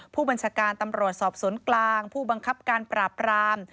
ผู้บัญชาการตำรวจสอบสวนกลางผู้บังคับการปราบราม